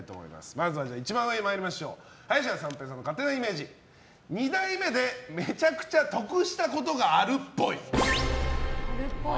まずは一番上林家三平さんの勝手なイメージ二代目でめちゃくちゃ得したことがあるっぽい。